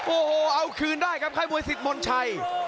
โอ้โหเอาคืนได้ครับค่ายมวยสิทธมนต์ชัย